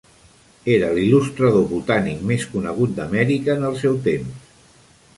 Era l"il·lustrador botànic més conegut d"Amèrica en el seu temps.